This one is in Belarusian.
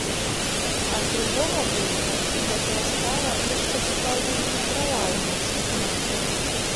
А з другога боку, гэтая справа яшчэ сапраўды не набрала ў нас размаху.